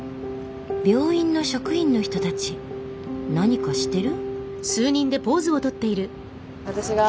病院の職員の人たち何かしてる？